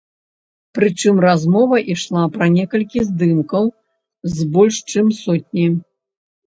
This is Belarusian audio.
Прычым размова ішла пра некалькі здымкаў з больш чым сотні.